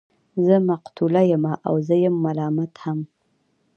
زه مقتول يمه او زه يم ملامت هم